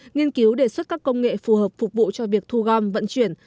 nghiên cứu đề xuất các công nghệ phù hợp phục vụ cho việc thu gom vận chuyển